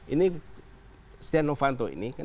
ini setia noh kanto ini